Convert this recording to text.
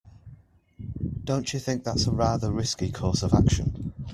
Don't you think that's a rather risky course of action?